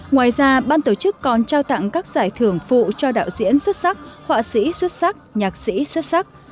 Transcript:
ngoài ra ban tổ chức còn trao tặng các giải thưởng phụ cho đạo diễn xuất sắc họa sĩ xuất sắc nhạc sĩ xuất sắc